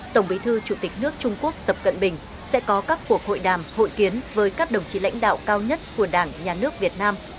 tổng bí thư chủ tịch nước trung quốc tập cận bình sẽ có các cuộc hội đàm hội kiến với các đồng chí lãnh đạo cao nhất của đảng nhà nước việt nam